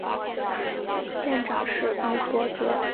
院长是于博泽。